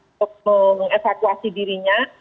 untuk mengevakuasi dirinya